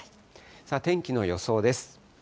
天気の予想です。